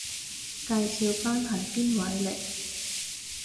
介紹返係邊位嚟？